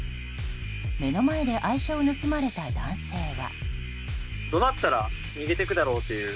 目の前で愛車を盗まれた男性は。